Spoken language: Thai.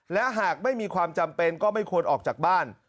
และหากไม่มีความจำเป็นก็ไม่ควรออกจากบ้าน